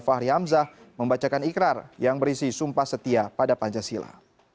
sementara wakil ketua dpr zulkifli hasan membacakan ikrar yang berisi sumpah setia pada pancasila